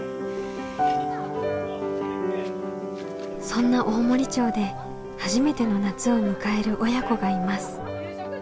そんな大森町で初めての夏を迎える親子がいます。